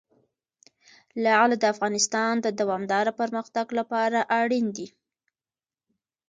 لعل د افغانستان د دوامداره پرمختګ لپاره اړین دي.